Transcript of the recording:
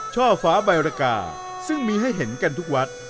ช่อฟ้าใบรกาซึ่งมีให้เห็นกันทุกวัด